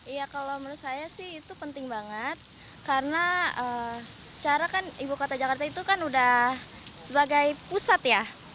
ya kalau menurut saya sih itu penting banget karena secara kan ibu kota jakarta itu kan udah sebagai pusat ya